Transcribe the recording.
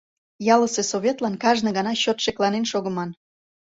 Ялысе советлан кажне гана чот шекланен шогыман.